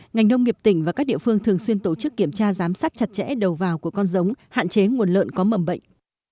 ngành nông nghiệp tỉnh và các địa phương thường xuyên tổ chức kiểm tra giám sát chặt chẽ đầu vào của con giống hạn chế nguồn lợn có mầm bệnh